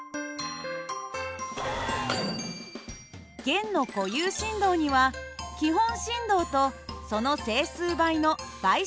弦の固有振動には基本振動とその整数倍の倍振動があります。